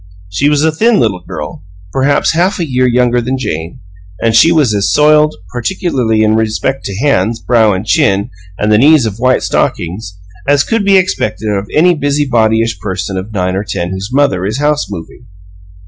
She was a thin little girl, perhaps half a year younger than Jane; and she was as soiled, particularly in respect to hands, brow, chin, and the knees of white stockings, as could be expected of any busybodyish person of nine or ten whose mother is house moving.